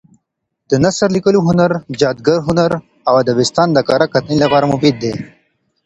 د نثر لیکلو هنر، جادګر هنر او ادبستان د کره کتنې لپاره مفید دي.